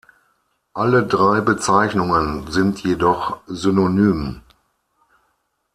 Alle drei Bezeichnungen sind jedoch synonym.